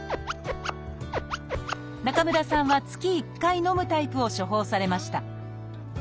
中村さんは月１回のむタイプを処方されました。